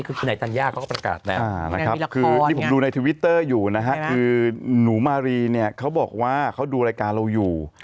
ภูมิไทยว่ามีชีวิตในอาทิตย์